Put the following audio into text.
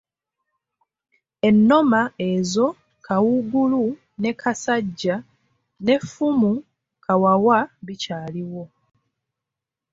Ennoma ezo Kawuugulu ne Kasajja n'effumu Kawawa bikyaliwo.